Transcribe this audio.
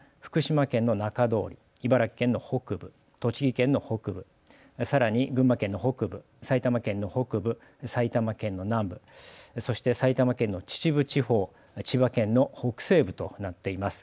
震度３が福島県の中通り、茨城県の北部、栃木県の北部、さらに群馬県の北部、埼玉県の北部、埼玉県の南部、そして埼玉県の秩父地方、千葉県の北西部となっています。